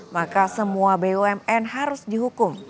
maka semua bumn harus dihukum